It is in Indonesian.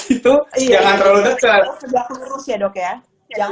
itu jangan terlalu dekat